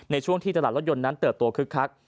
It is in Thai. ในช่วงที่ตลาดรถยนต์นั้นเติบโตคึกคัก